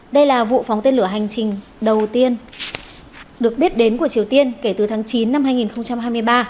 đây là vụ phóng tên lửa hành trình đầu tiên được biết đến của triều tiên kể từ tháng chín năm hai nghìn hai mươi ba